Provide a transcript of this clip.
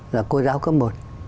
là cô giáo cấp một